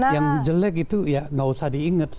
yang jelek itu ya gak usah diinget